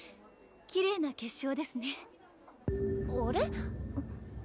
きれいな結晶ですねあれ？